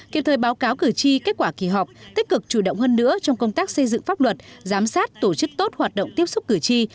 kịp thời báo cáo cử tri kết quả kỳ họp tích cực chủ động hơn nữa trong công tác xây dựng pháp luật giám sát tổ chức tốt hoạt động tiếp xúc cử tri